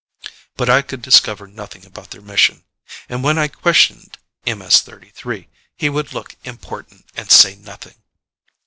But I could discover nothing about their mission. And when I questioned MS 33, he would look important and say nothing.